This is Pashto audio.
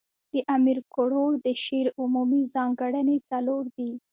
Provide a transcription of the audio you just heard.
د امیر کروړ د شعر عمومي ځانګړني څلور دي.